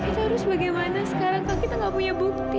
kita harus bagaimana sekarang kak kita tidak punya bukti